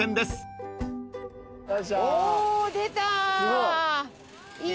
お出た。